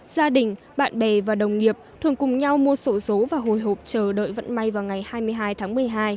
gia đình bạn bè và đồng nghiệp thường cùng nhau mua sổ số và hồi hộp chờ đợi vận may vào ngày hai mươi hai tháng một mươi hai